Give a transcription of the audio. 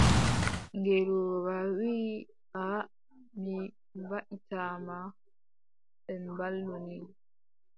Ngeelooba wii: aaʼa mi waʼitaa ma, en mbaalu ni.